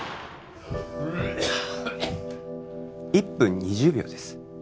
１分２０秒です